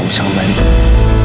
ingatkan kamu bisa kembali